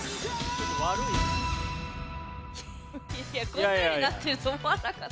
こんなになってると思わなかった。